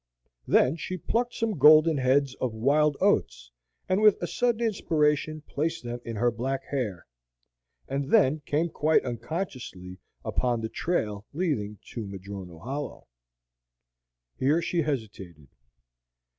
Then she plucked some golden heads of wild oats, and with a sudden inspiration placed them in her black hair, and then came quite unconsciously upon the trail leading to Madrono Hollow. Here she hesitated.